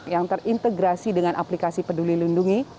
yang terintegrasi dengan aplikasi peduli lindungi